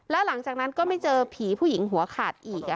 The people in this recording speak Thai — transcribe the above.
แล้วหลังจากนั้นก็ไม่เจอผีผู้หญิงหัวขาดอีก